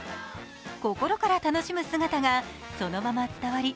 心から楽しむ姿がそのまま伝わり、